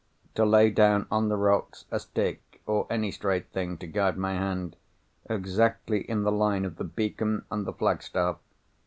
To lay down on the rocks, a stick, or any straight thing to guide my hand, exactly in the line of the beacon and the flagstaff.